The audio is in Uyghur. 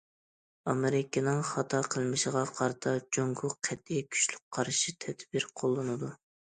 ئامېرىكىنىڭ خاتا قىلمىشىغا قارىتا، جۇڭگو قەتئىي كۈچلۈك قارشى تەدبىر قوللىنىدۇ.